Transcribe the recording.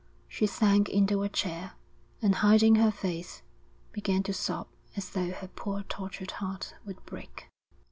She sank into a chair, and hiding her face, began to sob as though her poor tortured heart would break.